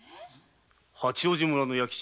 八王子村の弥吉？